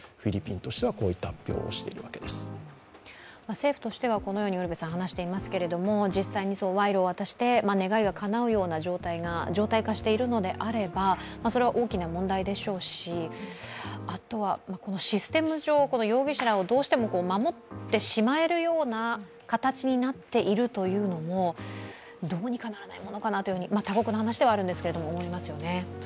政府としてはこのように話していますけども実際に賄賂を渡して願いがかなうような状態が常態化しているのであればそれは大きな問題でしょうし、システム上、容疑者らをどうしても守ってしまえるような形になっているっていうのもどうにかならないものかなと、他国の話ではあるんですけど思いますよね。